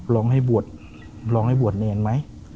ร้องให้บวชเนียนไหม